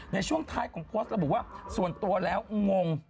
ในช่วงท้ายของโพสต์ระบุว่าส่วนตัวแล้วงง